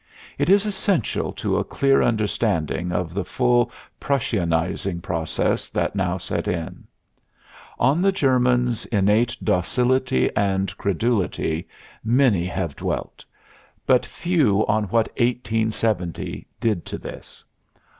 It is essential to a clear understanding of the full Prussianizing process that now set in. On the German's innate docility and credulity many have dwelt, but few on what 1870 did to this.